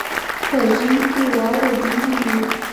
په ژمي کې واوره ډېره وي.